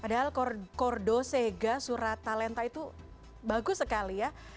padahal kordo sega surata lenta itu bagus sekali ya